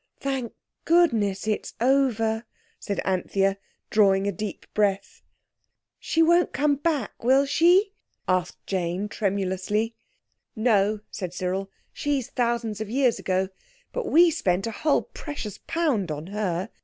"Thank Goodness that's over," said Anthea, drawing a deep breath. "She won't come back, will she?" asked Jane tremulously. "No," said Cyril. "She's thousands of years ago. But we spent a whole precious pound on her.